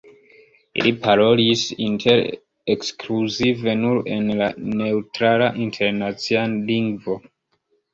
Ili parolis inter si ekskluzive nur en la neŭtrala internacia lingvo.